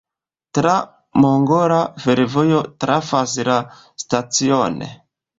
La tra-mongola fervojo trafas la stacion.